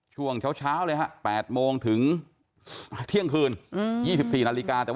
ช่วงเช้าเลยฮะ๘โมงถึงเที่ยงคืน๒๔นาฬิกาแต่